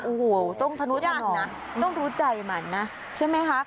โอ้โหต้องทะนุทันนะต้องรู้ใจมันนะใช่ไหมคะ